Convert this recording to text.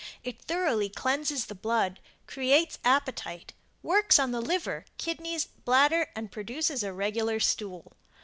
It thoroughly cleanses the blood, creates appetite, works on the liver, kidneys, bladder and produces a regular stool.